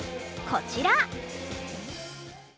こちら！